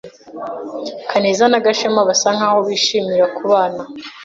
Kaneza na Gashema basa nkaho bishimira kubana.